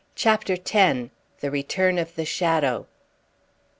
CHAPTER X. THE RETURN OF THE SHADOW.